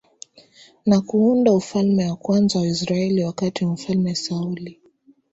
na kuunda ufalme wa kwanza wa Israeli wakati wa mfalme Sauli